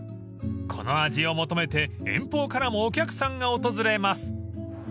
［この味を求めて遠方からもお客さんが訪れます］